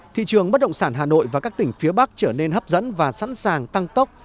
thị trường bất động sản hà nội và các tỉnh phía bắc trở nên hấp dẫn và sẵn sàng tăng tốc